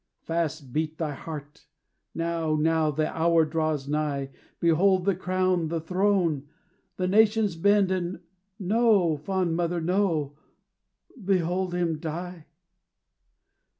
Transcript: Fast beat thy heart; now, now the hour draws nigh: Behold the crown the throne! the nations bend. Ah, no! fond mother, no! behold him die.